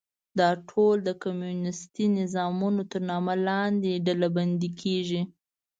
دا ټول د کمونیستي نظامونو تر نامه لاندې ډلبندي کېږي.